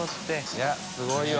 いやすごいわ。